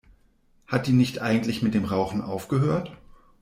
Hat die nicht eigentlich mit dem Rauchen aufgehört?